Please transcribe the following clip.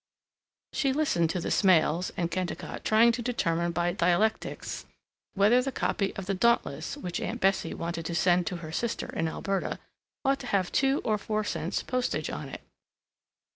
She listened to the Smails and Kennicott trying to determine by dialectics whether the copy of the Dauntless, which Aunt Bessie wanted to send to her sister in Alberta, ought to have two or four cents postage on it.